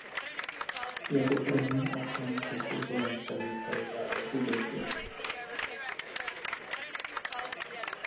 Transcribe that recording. Jako první občan Československa získal Řád republiky.